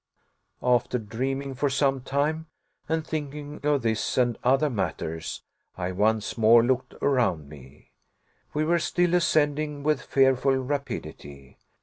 After dreaming for some time, and thinking of this and other matters, I once more looked around me. We were still ascending with fearful rapidity.